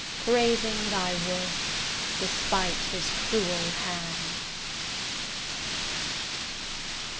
Praising thy worth, despite his cruel hand.